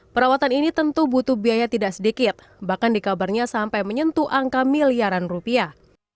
perawatan ini tentu butuh biaya tidak sedikit bahkan dikabarnya sampai menyentuh angka miliaran rupiah